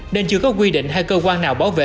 nên chưa có quy định hay cơ quan nào bảo vệ